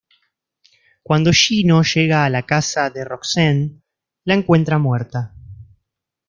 Cuando Gino llega a la casa de Roxanne, la encuentra muerta.